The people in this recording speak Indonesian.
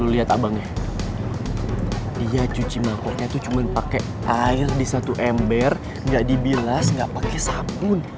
lo liat abangnya dia cuci mangkuknya tuh cuman pake air di satu ember gak dibilas gak pake sabun